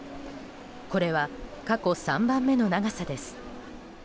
これは過去３番目の長さです。